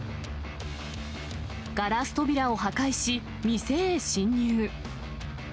ガラス扉を破壊し、店へ侵入。